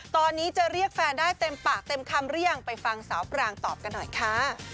ตอนนี้จะเรียกแฟนได้เต็มปากเต็มคำหรือยังไปฟังสาวปรางตอบกันหน่อยค่ะ